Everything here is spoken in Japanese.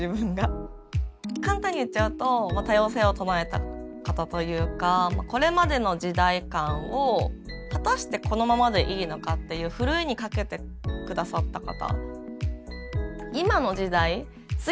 簡単に言っちゃうとこれまでの時代観を果たしてこのままでいいのかっていうふるいにかけて下さった方。